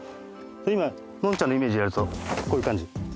今ノンちゃんのイメージでやるとこういう感じ。